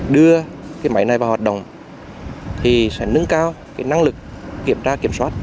đưa cái máy này vào hoạt động thì sẽ nâng cao năng lực kiểm tra kiểm soát